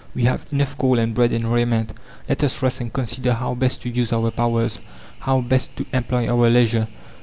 We have enough coal and bread and raiment! Let us rest and consider how best to use our powers, how best to employ our leisure."